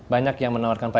banyak yang menawarkan